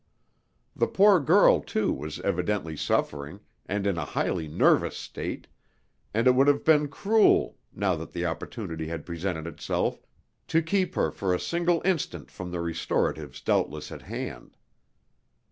The poor girl, too, was evidently suffering, and in a highly nervous state, and it would have been cruel, now that the opportunity had presented itself, to keep her for a single instant from the restoratives doubtless at hand.